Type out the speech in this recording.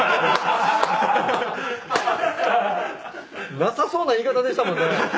なさそうな言い方でしたもんね。